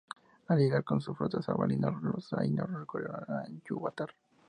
Al llegar con sus flotas a Valinor, los Ainur recurrieron a Ilúvatar.